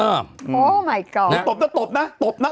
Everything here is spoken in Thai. เออตบนะตบนะตบนะตบนะตบนะ